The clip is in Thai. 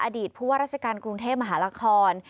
ผู้ว่าราชการกรุงเทพมหานคร